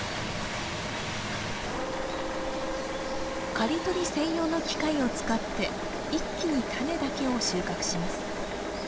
刈り取り専用の機械を使って一気にタネだけを収穫します。